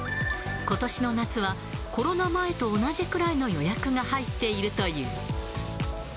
ことしの夏はコロナ前と同じくらいの予約が入っているという。